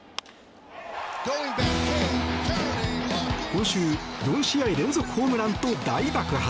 今週、４試合連続ホームランと大爆発。